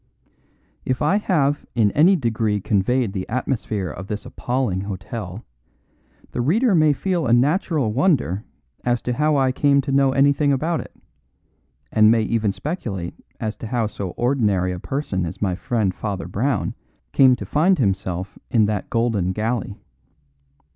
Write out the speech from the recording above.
If I have in any degree conveyed the atmosphere of this appalling hotel, the reader may feel a natural wonder as to how I came to know anything about it, and may even speculate as to how so ordinary a person as my friend Father Brown came to find himself in that golden galley.